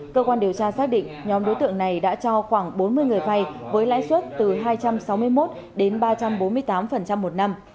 cơ quan điều tra xác định nhóm đối tượng này đã cho khoảng bốn mươi người vay với lãi suất từ hai trăm sáu mươi một đến ba trăm bốn mươi tám một năm